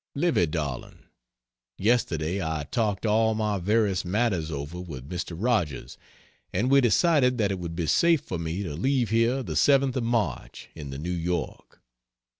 Livy darling, Yesterday I talked all my various matters over with Mr. Rogers and we decided that it would be safe for me to leave here the 7th of March, in the New York.